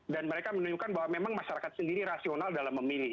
dan mereka menunjukkan bahwa memang masyarakat sendiri rasional dalam memilih